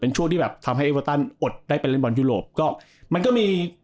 ช่วงที่แบบทำให้เอเวอร์ตันอดได้ไปเล่นบอลยุโรปก็มันก็มี